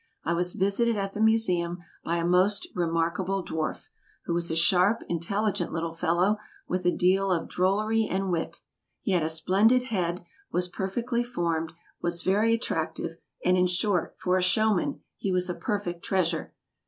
I was visited at the Museum by a most remarkable dwarf, who was a sharp, intelligent little fellow, with a deal of drollery and wit. He had a splendid head, was perfectly formed, was very attractive, and, in short, for a "showman," he was a perfect treasure.